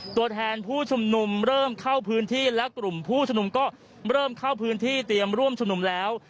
ตัวแทนผู้ชุมนุมเริ่มเข้าพื้นที่และกลุ่มผู้ชมนุมก็เริ่มเข้าพื้นที่เตรียมร่วมชุมนุมแล้ว